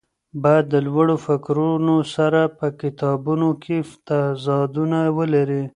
باید د لوړو فکرونو سره په کتابونو کې تضادونه ولري.